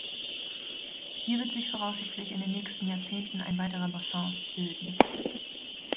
Hier wird sich voraussichtlich in den nächsten Jahrzehnten ein weiterer „Bessin“ bilden.